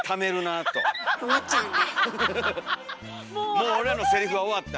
「もう俺らのセリフは終わった」。